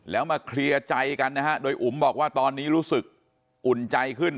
แล้วมาเคลียร์ใจกันนะฮะโดยอุ๋มบอกว่าตอนนี้รู้สึกอุ่นใจขึ้น